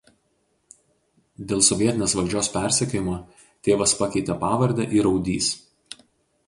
Dėl sovietinės valdžios persekiojimo tėvas pakeitė pavardę į Raudys.